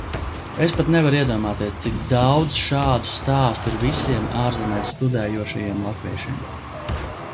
Es pat nevaru iedomāties, cik daudz šādu stāstu ir visiem ārzemēs studējošajiem latviešiem.